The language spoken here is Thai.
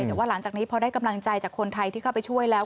แต่ว่าหลังจากนี้พอได้กำลังใจจากคนไทยที่เข้าไปช่วยแล้ว